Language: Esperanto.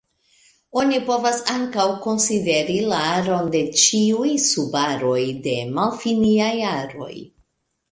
Oni povas ankaŭ konsideri la aron de ĉiuj subaroj de malfiniaj aroj.